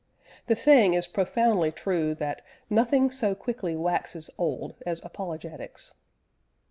The saying is profoundly true that "nothing so quickly waxes old as apologetics."